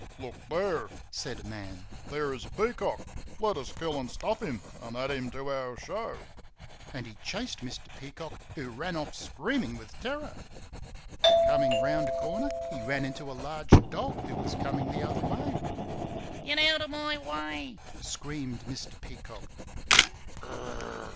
"Look there!" said a man. "There is a peacock. Let us kill and stuff him and add him to our show." And he chased Mr. Peacock, who ran off screaming with terror. Coming around a corner he ran into a large dog who was coming the other way. "Get out of my way!" screamed Mr. Peacock.